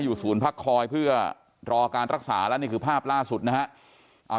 ศูนย์พักคอยเพื่อรอการรักษาแล้วนี่คือภาพล่าสุดนะฮะ